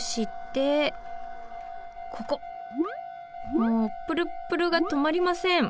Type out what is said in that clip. もうプルップルがとまりません！